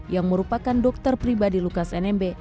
yang merupakan dokter pribadi lukas nmb